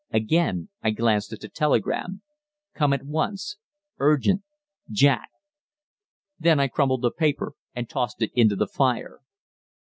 Again I glanced at the telegram "Come at once. Urgent. Jack." Then I crumpled the paper and tossed it into the fire.